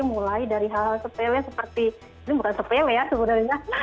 mulai dari hal hal sepele seperti ini bukan sepele ya sebenarnya